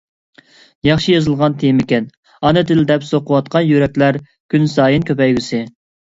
ياخشى يېزىلغان تېمىكەن. «ئانا تىل» دەپ سوقۇۋاتقان يۈرەكلەر كۈنسايىن كۆپەيگۈسى!